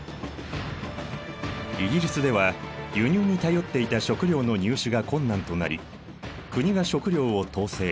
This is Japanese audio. イギリスでは輸入に頼っていた食料の入手が困難となり国が食料を統制